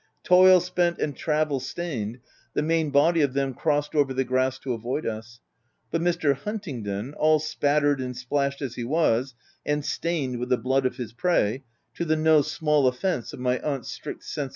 Toil spent and travel stained, the main body of them crossed over the grass to avoid us ; but Mr. Huntingdon, all spattered and splashed as he was, and stained with the blood of his prey — to the no small offence of my aunt's strict sense OF WILDFELL HALL.